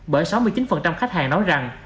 bởi sáu mươi chín khách hàng nói rằng